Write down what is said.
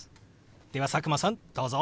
では佐久間さんどうぞ。